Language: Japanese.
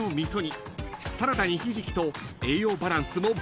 ［サラダにひじきと栄養バランスも抜群］